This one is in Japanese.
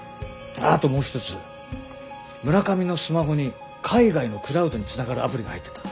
村上のスマホに海外のクラウドにつながるアプリが入ってた。